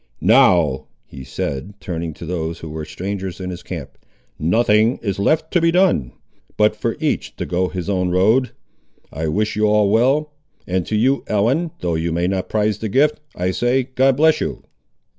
"Now," he said, turning to those who were strangers in his camp, "nothing is left to be done, but for each to go his own road. I wish you all well; and to you, Ellen, though you may not prize the gift, I say, God bless you!"